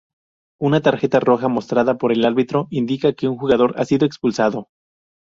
Una tarjeta roja mostrada por el árbitro indica que un jugador ha sido expulsado.